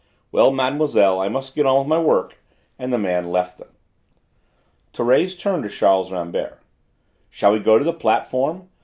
Well, Mademoiselle, I must get on with my work," and the man left them. Thérèse turned to Charles Rambert. "Shall we go on to the platform?